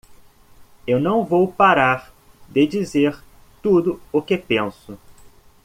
Eu não vou parar de dizer tudo o que penso.